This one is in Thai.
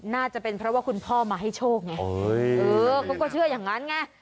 น่าจะเป็นเพราะว่าคุณพ่อมาให้โชคไงเออเขาก็เชื่ออย่างนั้นไง